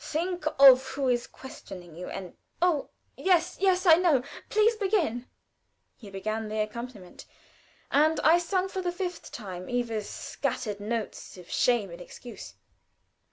Think of who is questioning you, and " "Oh, yes, yes, I know. Please begin." He began the accompaniment, and I sung for the fifth time Eva's scattered notes of shame and excuse.